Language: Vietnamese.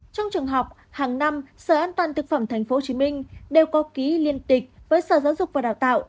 trong trường học hàng năm sở an toàn thực phẩm tp hcm đều có ký liên tịch với sở giáo dục và đào tạo